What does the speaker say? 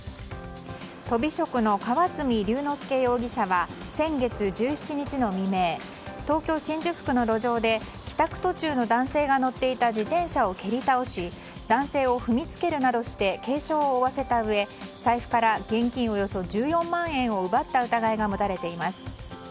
とび職の河澄龍之介容疑者は先月１７日の未明東京・新宿区の路上で帰宅途中の男性が乗っていた自転車を蹴り倒し男性を踏みつけるなどして軽傷を負わせたうえ財布から現金およそ１４万円を奪った疑いが持たれています。